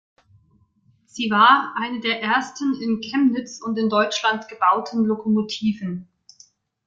Sie war eine der ersten in Chemnitz und in Deutschland gebauten Lokomotiven.